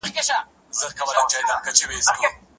دا د تېنس کڅوړه د راکټونو د ساتنې لپاره ځانګړي جیبونه لري.